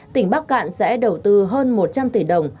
tỉnh bắc cạn sẽ đầu tư hơn một trăm linh tỷ đồng